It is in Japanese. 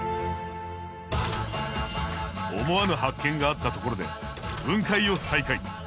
思わぬ発見があったところで分解を再開。